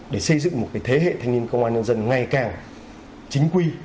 để xây dựng một thế hệ thanh niên công an nhân dân ngày càng chính quy